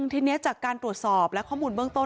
ทีนี้จากการตรวจสอบและข้อมูลเบื้องต้น